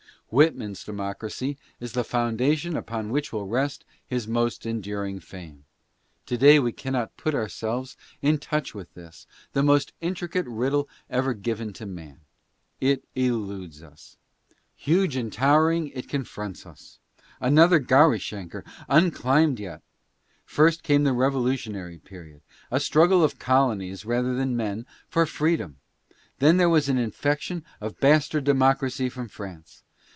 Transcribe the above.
Whitman's democracy is the foundation upon which will rest his most enduring fame. To day we cannot put ourselves in touch with this, the most intricate riddle ever given to man. It eludes us. Huge and towering, it confronts us — another Gau risankar, unclimbed yet. First came the revolutionary period ; a struggle of colonies (rather than men) for freedom. Then there was an injection of bastard democracy from France.